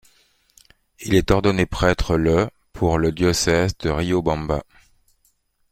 Il est ordonné prêtre le pour le diocèse de Riobamba.